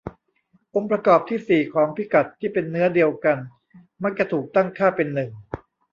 องค์ประกอบที่สี่ของพิกัดที่เป็นเนื้อเดียวกันมักจะถูกตั้งค่าเป็นหนึ่ง